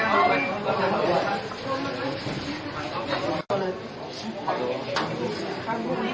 รับทราบด้วยกับการขอบคุณผู้หญิง